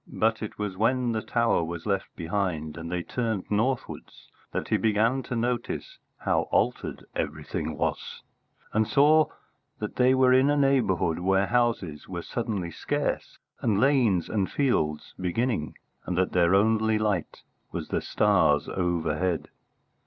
But it was when the Tower was left behind and they turned northwards that he began to notice how altered everything was, and saw that they were in a neighbourhood where houses were suddenly scarce, and lanes and fields beginning, and that their only light was the stars overhead.